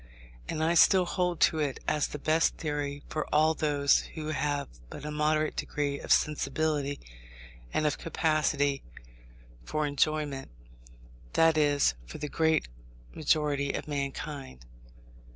And I still hold to it as the best theory for all those who have but a moderate degree of sensibility and of capacity I for enjoyment; that is, for the great majority of mankind.